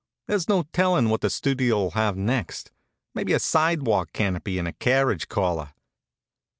There's no tellin' what the Studio'll have next maybe a sidewalk canopy and a carriage caller.